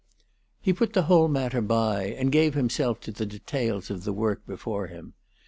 He put the whole matter by, and gave himself to the details of the work before him.